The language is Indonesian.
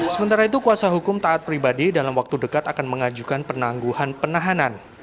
sementara itu kuasa hukum taat pribadi dalam waktu dekat akan mengajukan penangguhan penahanan